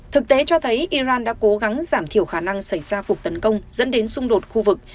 thực tế cho thấy iran đã cố gắng giảm thiểu khả năng xảy ra cuộc tấn công dẫn đến xung đột khu vực